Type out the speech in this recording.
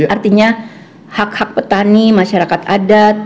artinya hak hak petani masyarakat adat